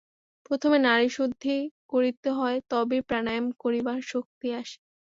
প্রথমে নাড়ীশুদ্ধি করিতে হয়, তবেই প্রাণায়াম করিবার শক্তি আসে।